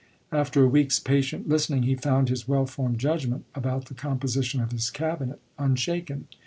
After a week's patient listening he found his well formed judgment about the composition of his Cabinet unshaken.